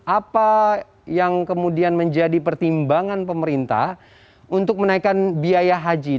apa yang kemudian menjadi pertimbangan pemerintah untuk menaikkan biaya haji